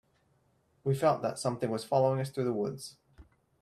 We felt that something was following us through the woods.